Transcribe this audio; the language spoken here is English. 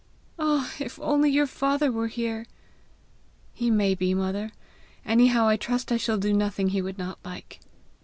"Ah! if only your father were here!" "He may be, mother! Anyhow I trust I shall do nothing he would not like!"